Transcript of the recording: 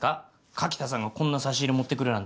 柿田さんがこんな差し入れ持ってくるなんて。